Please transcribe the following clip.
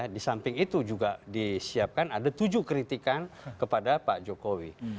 di samping itu juga disiapkan ada tujuh kritikan kepada pak jokowi